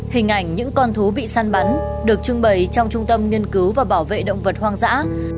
hình ảnh những con thú bị săn bắn được trưng bày trong trung tâm nghiên cứu và bảo vệ động vật hoang dã